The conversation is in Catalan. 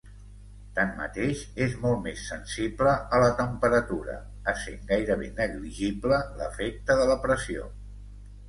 Tanmateix, és molt més sensible a la temperatura, essent gairebé negligible l'efecte de la pressió.